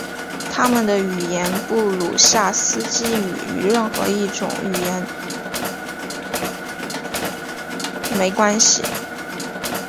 他们的语言布鲁夏斯基语与任何一种语言也没关系。